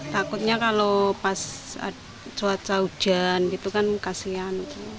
takutnya kalau pas cuaca hujan itu kan kasihan